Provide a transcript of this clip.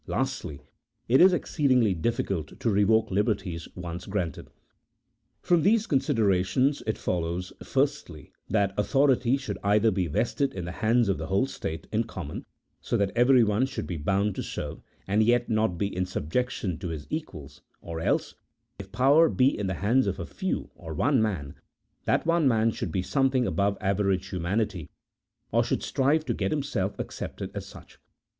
Lastly, it is exceedingly difficult to revoke liberties once granted. From these considerations it follows, firstly, that autho rity should either be vested in the hands of the whole state in common, so that everyone should be bound to serve, and yet not be in subjection to his equals; or else, if power be in the hands of a few, or one man, that one man should be something above average humanity, or should strive to get himself accepted as such.